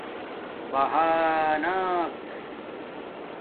بہانآک